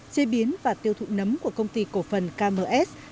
chế biến và tiêu thụ nấm của công ty cổ phần km